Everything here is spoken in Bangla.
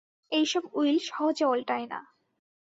এসব উইল সহজে ওলটায় না।